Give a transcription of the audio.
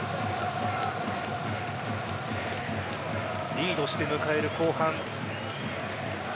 リードして迎える後半。